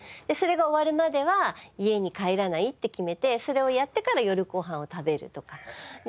でそれが終わるまでは家に帰らないって決めてそれをやってから夜ご飯を食べるとか。